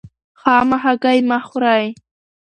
خامه هګۍ مه خورئ.